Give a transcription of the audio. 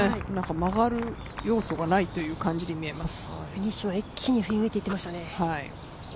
曲がる要素がないという感じに見えます。